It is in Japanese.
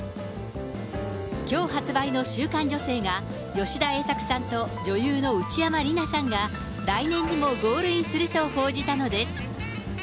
きょう発売の週刊女性が、吉田栄作さんと女優の内山理名さんが来年にもゴールインすると報じたのです。